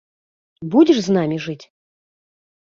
Будзеш з намі жыць?